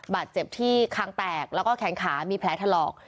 บาดเจ็บที่คางแตกแล้วก็แขนขามีแผลถลอก